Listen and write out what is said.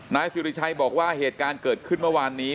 นายสิริชัยบอกว่าเหตุการณ์เกิดขึ้นเมื่อวานนี้